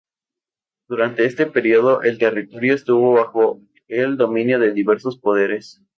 Durante este período el territorio estuvo bajo el dominio de diversos poderes.